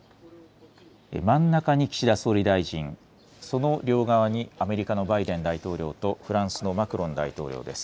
真ん中に岸田総理大臣、その両側にアメリカのバイデン大統領とフランスのマクロン大統領です。